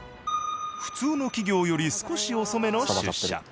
普通の企業より少し遅めの出社。